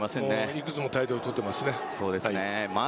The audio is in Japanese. いくつもタイトルを取っていますね。